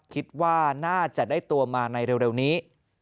คิดว่าน่าจะได้ตัวมาในเร็วนี้